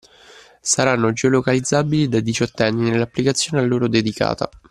Saranno geo-localizzabili dai diciottenni nell'applicazione a loro dedicata.